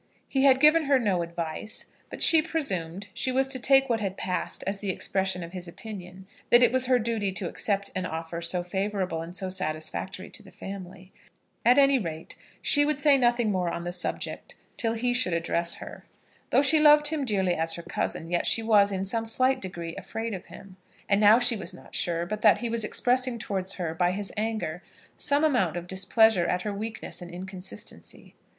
He had given her no advice; but she presumed she was to take what had passed as the expression of his opinion that it was her duty to accept an offer so favourable and so satisfactory to the family. At any rate, she would say nothing more on the subject till he should address her. Though she loved him dearly as her cousin, yet she was, in some slight degree, afraid of him. And now she was not sure but that he was expressing towards her, by his anger, some amount of displeasure at her weakness and inconsistency.